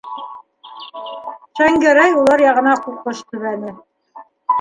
- Шәңгәрәй улар яғына ҡуҡыш төбәне.